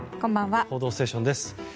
「報道ステーション」です。